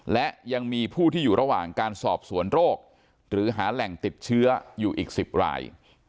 และยังมีผู้ที่อยู่ระหว่างการสอบสวนโรคหรือหาแหล่งติดเชื้ออยู่อีก๑๐ราย